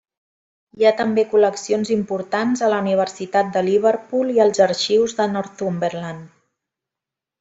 Hi ha també col·leccions importants a la Universitat de Liverpool, i als arxius de Northumberland.